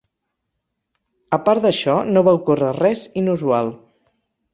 A part d'això, no va ocórrer res inusual.